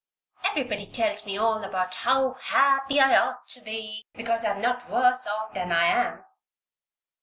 "Everybody tells me all about how happy I ought to be because I'm not worse off than I am.